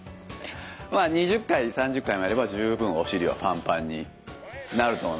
まあ２０回３０回もやれば十分お尻はパンパンになると思います。